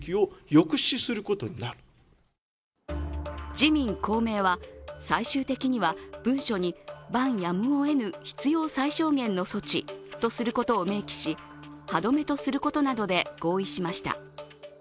自民・公明は最終的には文書に、「万やむを得ぬ必要最小限度の措置」とすることを明記し、歯どめとすることなどで合意しました。